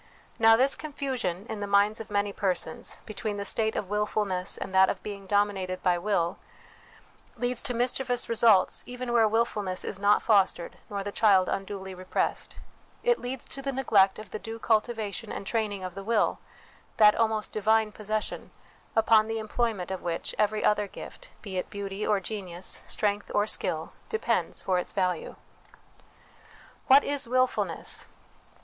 Now, this confusion, in the minds of many persons, between the state of wilfulness and that of being dominated by will, leads to mischievous results even where wilfulness is not fostered nor the child unduly repressed : it leads to the neglect of the due cultivation and training of the will, that almost divine possession, upon the employment of which every other gift, be it beauty or genius, strength or skill, depends for its value. What is Wilfulness